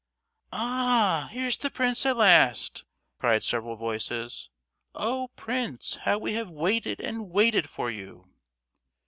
"Ah—h! here's the prince at last!" cried several voices. "Oh, Prince, how we have waited and waited for you!"